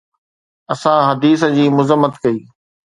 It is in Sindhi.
اسان حديث جي مذمت ڪئي